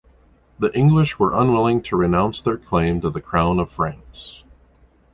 The English were unwilling to renounce their claim to the crown of France.